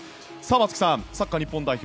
松木さん、サッカー日本代表